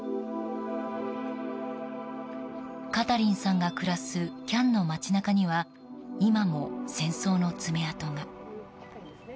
カタリンさんが暮らす喜屋武の街中には今も戦争の爪痕が。